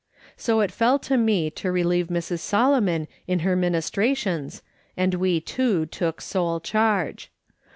So it fell to me to relieve Mrs. Solomon in her minis trations, and we two took sole charge.